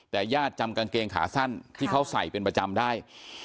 แต่ญาติจำกางเกงขาสั้นที่เขาใส่เป็นประจำได้